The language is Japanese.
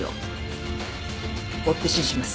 追って指示します。